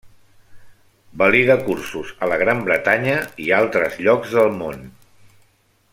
Valida cursos a la Gran Bretanya i altres llocs del món.